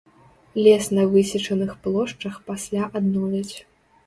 Лес на высечаных плошчах пасля адновяць.